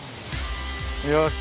よし。